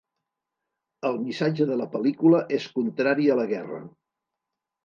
El missatge de la pel·lícula és contrari a la guerra.